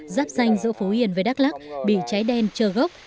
giáp danh giữa phú yên với đắk lắc bị cháy đen trơ gốc